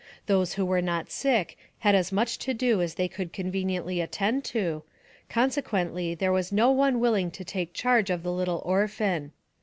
Those who were not sick had as much to do as they could conveniently attend to, consequently there was no one willing to take charge of the little orphan.